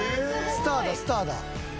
スターだスターだ！